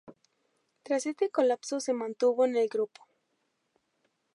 Tras este colapso se mantuvo en el grupo.